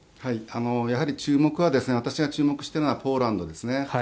やはり、注目は私が注目しているのはポーランドですね。